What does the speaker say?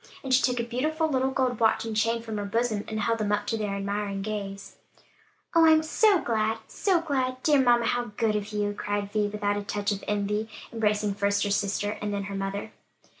And she took a beautiful little gold watch and chain from her bosom, and held them up to their admiring gaze. "Oh, I'm so glad, so glad! Dear mamma, how good of you!" cried Vi, without a touch of envy embracing first her sister, and then her mother.